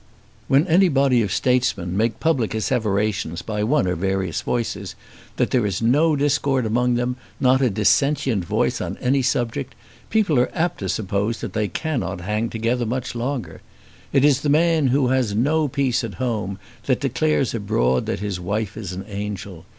When any body of statesmen make public asseverations by one or various voices, that there is no discord among them, not a dissentient voice on any subject, people are apt to suppose that they cannot hang together much longer. It is the man who has no peace at home that declares abroad that his wife is an angel.